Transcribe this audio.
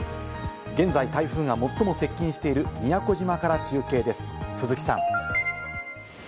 現在、台風が最も接近している宮古島から中継です、鈴木さん。